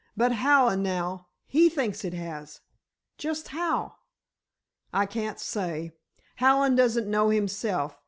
But Hallen, now, he thinks it has." "Just how?" "I can't say. Hallen doesn't know himself.